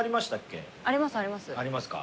ありますか？